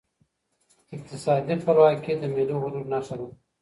اقتصادي خپلواکي د ملي غرور نښه ده.